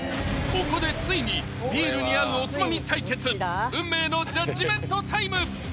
ここでついにビールに合うおつまみ対決運命のジャッジメントタイム！